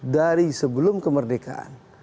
dari sebelum kemerdekaan